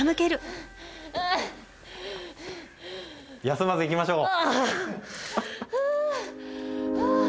休まずいきましょう！